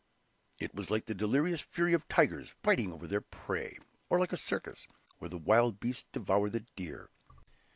It was like the delirious fury of tigers fighting over their prey, or like a circus where the wild beasts devour the deer.